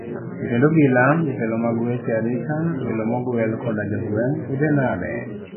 Jatend obila, jotelo mag weche arita, welo mogwel koda jogweng', udhi nade?